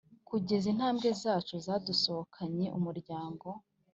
kugeza intambwe zacu zadusohokanye umuryango ...